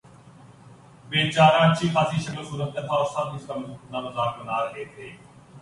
بے چارہ اچھی خاصی شکل صورت کا تھا اور سب اس کا اتنا مذاق بنا رہے تھے